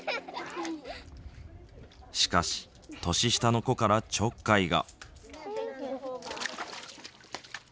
しかし年下の子からちょっかいが。